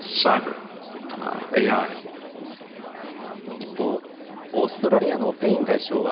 一方、オーストラリアのペイン外相は